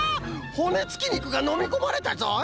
ほねつきにくがのみこまれたぞい！